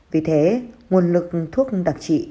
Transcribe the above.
vì thế nguồn lực thuốc đặc trị